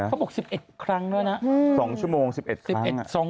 ก็บอก๑๑ครั้งแล้วนะ๒ชั่วโมง๑๑ครั้ง